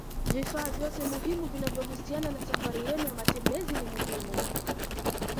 Vifaa vyote muhimu vinavyohusiana na safari yenu ya matembezi ni muhimu